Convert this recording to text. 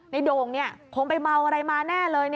ในโดงนี่คงไปเมาอะไรมาแน่เลย